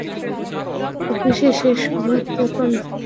অফিসে শেষ মুহূর্তের কনফারেন্স।